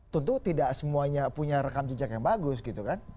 tentu tidak semuanya punya rekam jejak yang bagus gitu kan